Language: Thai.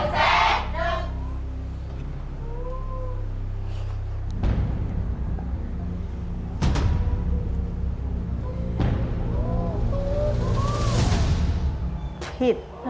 ไม่เป็นไรไม่เป็นไร